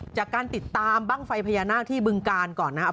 จากการติดตามบ้างไฟพญานาคที่บึงกาลก่อนนะครับ